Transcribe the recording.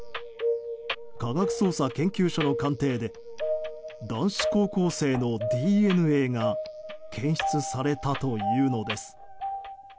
科学捜査研究所の鑑定で男子高校生のＤＮＡが検出されたというのです。